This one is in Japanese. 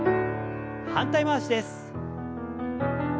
反対回しです。